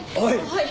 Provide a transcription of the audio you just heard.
はい！